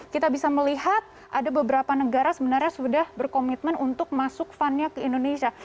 kita bisa melihat ada beberapa negara sebenarnya sudah berkomitmen untuk masuk fun nya ke indonesia